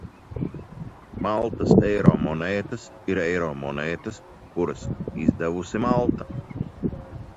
Maltas eiro monētas ir eiro monētas, kuras izdevusi Malta.